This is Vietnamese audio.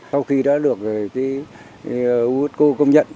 sau khi đã được u s cô công nhận